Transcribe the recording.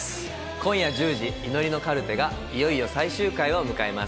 今夜１０時、祈りのカルテがいよいよ最終回を迎えます。